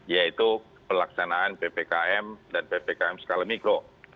yaitu pelaksanaan ppkm dan ppkm skala mikro